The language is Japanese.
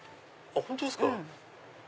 本当ですか？